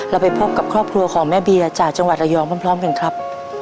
ไปพบกับครอบครัวของแม่เบียจากจังหวัดระยองพร้อมกันครับ